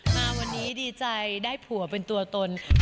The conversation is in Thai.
มาวันนี้ดีใจได้ผัวเป็นตัวตน